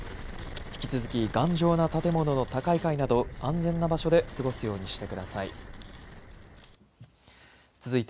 引き続き頑丈な建物の高い階など安全な場所で過ごすようにしてください。